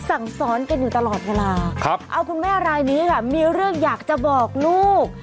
สั่งสอนกันอยู่ตลอดเวลาเอาคุณแม่รายนี้ค่ะมีเรื่องอยากจะบอกลูก